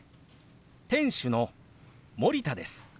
店主の森田です。